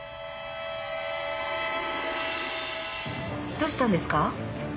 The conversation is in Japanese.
どうしたんですか？